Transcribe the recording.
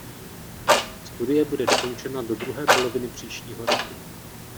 Studie bude dokončena do druhé poloviny příštího roku.